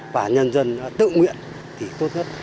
và nhân dân tự nguyện thì tốt hơn